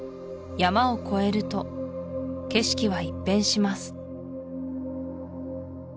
山を越えると景色は一変します